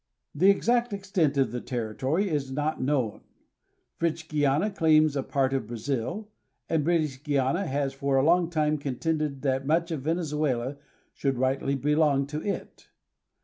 The exact extent of the territory is not known. French Guiana claims a part of Brazil, and British Guiana has for a long time contended that much of Venezuela should rightly belong to it.